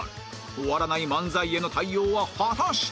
終わらない漫才への対応は果たして